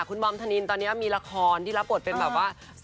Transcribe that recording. คุณบอมทะนินตอนนี้มีละครที่รับบทเป็นสาวประเภท๒